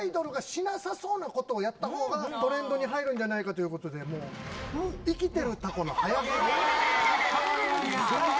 スーパーアイドルがしなさそうなことをやったほうが、トレンドに入るんじゃないかということで、生きてるタコの早食い。